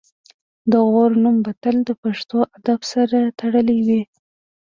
د غور نوم به تل د پښتو ادب سره تړلی وي